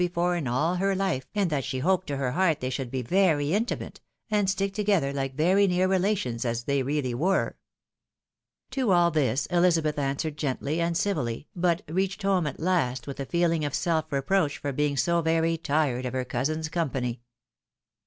121 before in all her life, and that she hoped to her heart they should be very very intimate, and stick together hke very near relations, as they really were. To all this, Elizabeth answered gently and civilly, but reached home at last with a feeling of self reproach for being so very tired of her cousin's company.